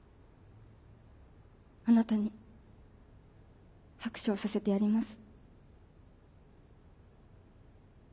あなたに拍手をさせてやります。